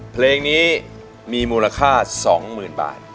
เพลงนี้มีมูลค่า๒หมื่นบาท